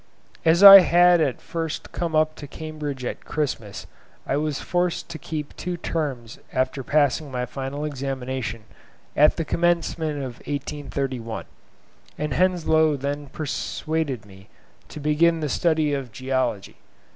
As I had at first come up to Cambridge at Christmas, I was forced to keep two terms after passing my final examination, at the commencement of 1831; and Henslow then persuaded me to begin the study of geology.